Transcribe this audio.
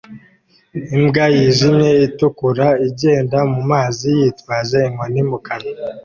Imbwa yijimye itukura igenda mu mazi yitwaje inkoni mu kanwa